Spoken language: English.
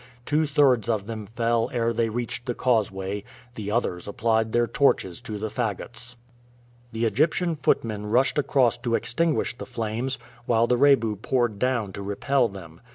Two thirds of them fell ere they reached the causeway; the others applied their torches to the fagots. The Egyptian footmen rushed across to extinguish the flames, while the Rebu poured down to repel them.